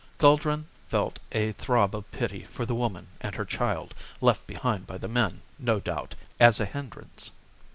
Guldran felt a throb of pity for the woman and her child, left behind by the men, no doubt, as a hindrance.